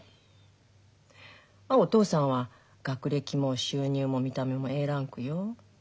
お父さんは学歴も収入も見た目もＡランクよ。